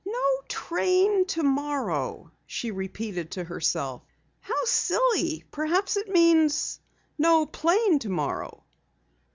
"No train tomorrow," she repeated to herself. "How silly! Perhaps it means, no plane tomorrow."